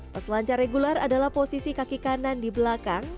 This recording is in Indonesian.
peselancar regular adalah posisi kaki kanan di belakang